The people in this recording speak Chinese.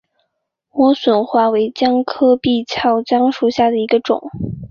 莴笋花为姜科闭鞘姜属下的一个种。